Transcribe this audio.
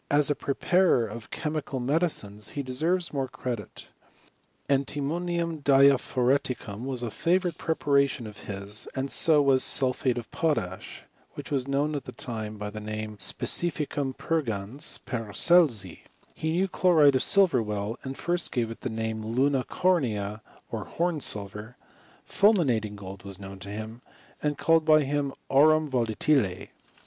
As a pre '' parer of chemical medicines he deserves more credit j ' antimonium diaphoreticum was a favourite preparation ' of his, and so was sulphate of potash, which watf' ' known at the time by the name of spedficum purgaiQf Paracelsi: he knew chloride of silver well, and first* gave it the name of luna cornea, or horn silver : fnl *; minating gold was known to him, and called by hin^ aurum volatile.